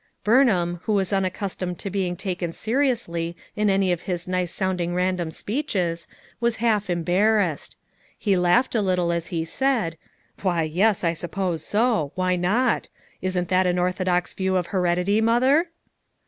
Burnham, who was unaccustomed to being taken seriously in any of his nice sounding 162 FOUR MOTHERS AT CHAUTAUQUA random speeches, was Iialf embarrassed. He laughed a little as he said: "Why, yes, I sup pose so. Why not! Isn't that an orthodox view of heredity, Mother?"